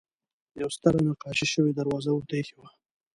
یوه ستره نقاشي شوې دروازه ورته اېښې وه.